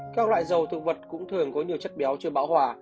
các loại dầu thực vật cũng thường có nhiều chất béo chưa bão hòa